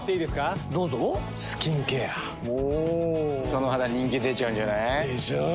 その肌人気出ちゃうんじゃない？でしょう。